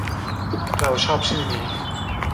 เราชอบชื่อนี้